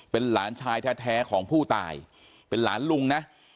เป็นหลานชายแท้ของผู้ตายเป็นหลานลุงนะ